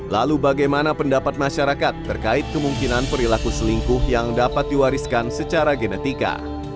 lalu bagaimana pendapat masyarakat terkait kemungkinan perilaku selingkuh yang dapat diwariskan secara genetika